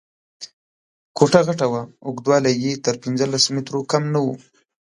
کوټه غټه وه، اوږدوالی یې تر پنځلس مترو کم نه و.